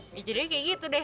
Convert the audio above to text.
ya jadinya kayak gitu deh